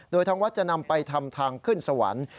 โดยทางวัดจะนำไปทำทางขึ้นสวรรค์